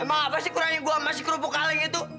emang apa sih kurangnya gua masih kerupuk kaleng itu